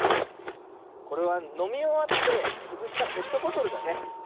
これはのみおわってつぶしたペットボトルだね。